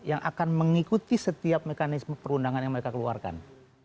yang akan mengikuti setiap mekanisme perundangan yang diperlukan